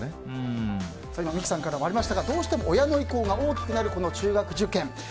三木さんからもありましたがどうしても親の意向が大きくなるこの中学受験。